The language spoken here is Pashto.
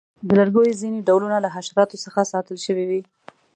د لرګیو ځینې ډولونه له حشراتو څخه ساتل شوي وي.